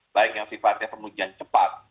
baik yang sifatnya pengujian cepat